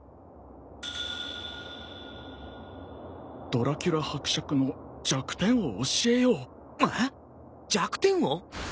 「ドラキュラ伯爵の弱点を教えよう」えっ！？弱点を？